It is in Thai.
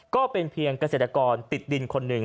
ก็เป็นเพียงเกษตรกรติดดินคนหนึ่ง